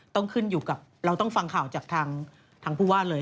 ต้องขึ้นอยู่กับเราต้องฟังข่าวจากทางผู้ว่าเลย